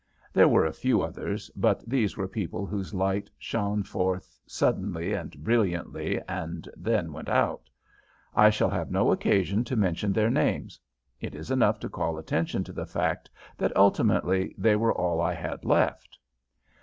There were a few others, but these were people whose light shone forth suddenly and brilliantly, and then went out. I shall have no occasion to mention their names. It is enough to call attention to the fact that ultimately they were all I had left.